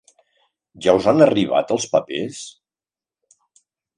Ja us han arribat els papers?